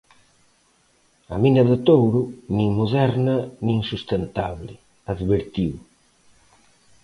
"A mina de Touro, nin moderna nin sustentable", advertiu.